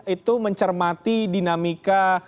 itu mencermati dinamika